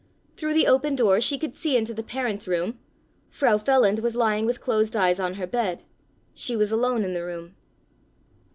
Through the open door she could see into the parents' room. Frau Feland was lying with closed eyes on her bed; she was alone in the room.